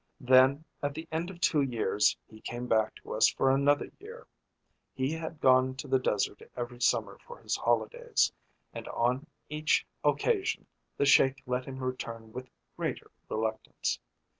Then at the end of two years he came back to us for another year. He had gone to the desert every summer for his holidays, and on each occasion the Sheik let him return with greater reluctance.